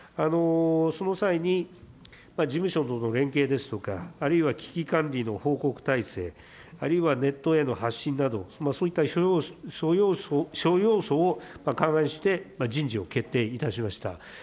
その際に、事務所との連携ですとか、あるいは危機管理の報告体制、あるいはネットへの発信など、そういった諸要素を勘案して人事を決定いたしました。